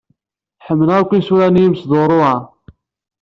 Ḥemmleɣ akk isura n yimseḍru-a.